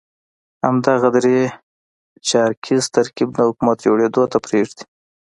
همدغه درې چارکیز ترکیب نه حکومت جوړېدو ته پرېږدي.